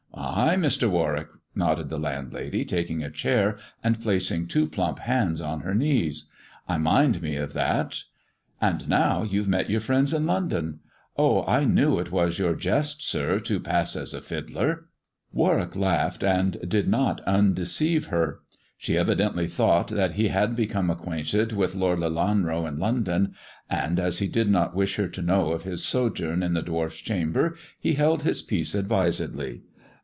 "Ay, Mr. Warwick," nodded the landlady, taking a chair and placing two plump hands on her knees. " I mind me of that. And now you've met your friends in THE dwarf's chamber 91 London. Oh, I knew it was your jest, sir, to pass as a fiddler." Warwick laughed, and did not undeceive her. She evidently thought that he had become acquainted with Lord Lelanro in London, and as he did not wish her to know of his sojourn in the dwarf's chamber, he held his peace advisedly.